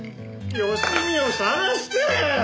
佳美を捜して！